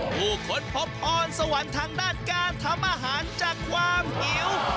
ค้นพบพรสวรรค์ทางด้านการทำอาหารจากความหิว